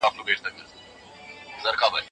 مهرباني وکړئ ماشوم ته وخت ورکړئ.